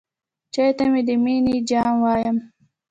چای ته د مینې جام وایم.